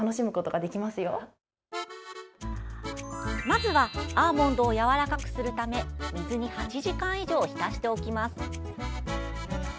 まずはアーモンドをやわらかくするため水に８時間以上浸しておきます。